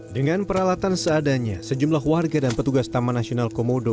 dengan peralatan seadanya sejumlah warga dan petugas taman nasional komodo